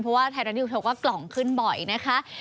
เพราะว่าไทยรัฐนิวโชว์ก็กล่องขึ้นบ่อยนะคะ